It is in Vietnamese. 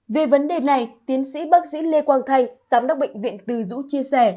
về vấn đề này tiến sĩ bác sĩ lê quang thanh giám đốc bệnh viện từ dũ chia sẻ